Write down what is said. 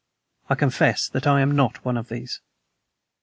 I confess that I am not one of these.